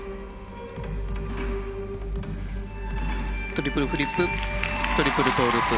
トリプルフリップトリプルトウループ。